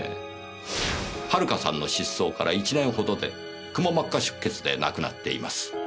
遥さんの失踪から１年ほどでくも膜下出血で亡くなっています。